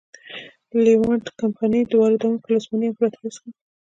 لېوانټ کمپنۍ واردوونکو له عثماني امپراتورۍ څخه.